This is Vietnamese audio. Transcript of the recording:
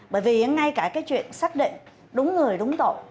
bởi vì ngay cả cái chuyện xác định đúng người đúng tội